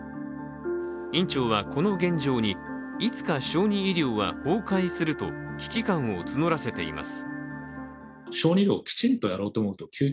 院長はこの現状にいつか小児医療は崩壊すると、危機感を募らせています。